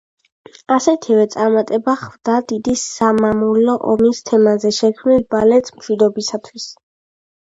ასეთივე წარმატება ხვდა დიდი სამამულო ომის თემაზე შექმნილ ბალეტს „მშვიდობისათვის“.